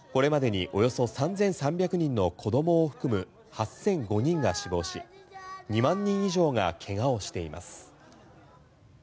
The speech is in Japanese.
ガザ保健当局によりますとこれまでにおよそ３３００人の子供を含む８００５人が死亡し２万人以上がけがをしています。